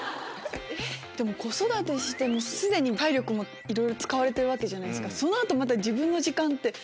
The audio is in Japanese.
子育てして既に体力もいろいろ使われてるわけじゃないですか。